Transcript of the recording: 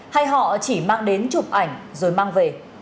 hay họ chỉ mang đến chụp ảnh rồi mang về